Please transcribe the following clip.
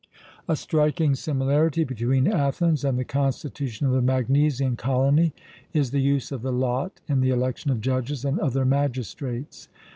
A striking similarity between Athens and the constitution of the Magnesian colony is the use of the lot in the election of judges and other magistrates.